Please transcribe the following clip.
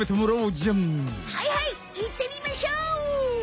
はいはいいってみましょう！